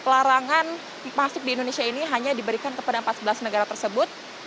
larangan masuk di indonesia ini hanya diberikan kepada empat belas negara tersebut